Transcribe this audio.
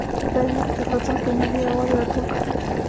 خدای زموږ افتونه پر ملي یوالي راټول کړي.